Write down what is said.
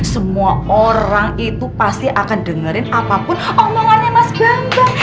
semua orang itu pasti akan dengerin apapun omongannya mas bambang